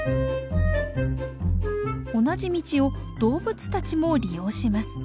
同じ道を動物たちも利用します。